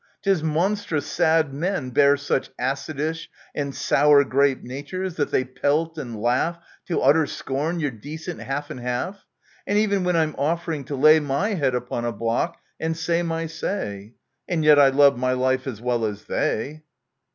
'Tis monstrous sad men bear such acidish And sour grape natures, that they pelt and laugh To utter scorn your decent half and half ! And even when I'm offering to lay My head upon a block and say my say ! And yet I love my life as well as they